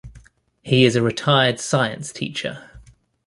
He is a retired science teacher.